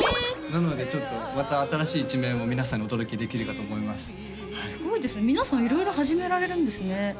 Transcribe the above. なのでちょっとまた新しい一面を皆さんにお届けできるかと思いますすごいですね皆さん色々始められるんですね